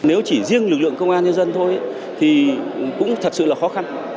nếu chỉ riêng lực lượng công an nhân dân thôi thì cũng thật sự là khó khăn